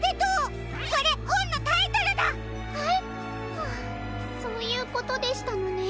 はあそういうことでしたのね。